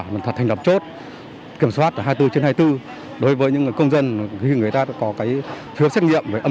kiểm soát hai mươi bốn trên hai mươi bốn đối với những công dân khi người ta có phiếu xét nghiệm